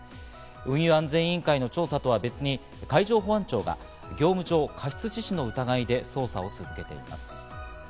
運輸安全委員会の調査とは別に海上保安庁が業務上過失致死の疑いで捜査を続けています。